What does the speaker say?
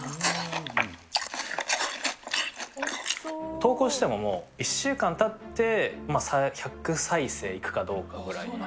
投稿しても１週間たって１００再生いくかどうかぐらいの。